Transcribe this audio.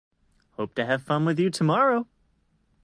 Hope to have fun with you tomorrow!